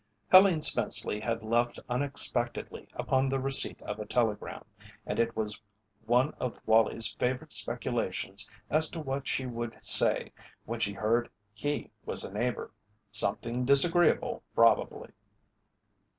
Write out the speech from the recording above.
Helene Spenceley had left unexpectedly upon the receipt of a telegram, and it was one of Wallie's favourite speculations as to what she would say when she heard he was a neighbour something disagreeable, probably.